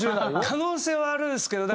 可能性はあるんですけど。